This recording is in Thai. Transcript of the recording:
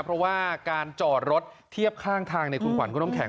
เพราะว่าการจอดรถเทียบข้างทางคุณขวัญคุณน้ำแข